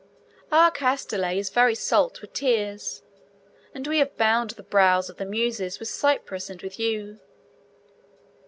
Our Castaly is very salt with tears, and we have bound the brows of the Muses with cypress and with yew.